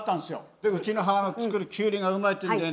でうちの母の作るキュウリがうまいっていうんでね